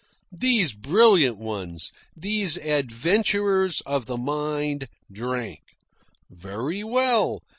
These brilliant ones, these adventurers of the mind, drank. Very well.